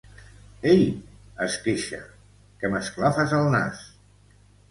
Ei! —es queixa— Que m'esclafes el nas!